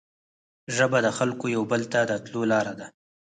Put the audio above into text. ژبه د خلګو یو بل ته د تلو لاره ده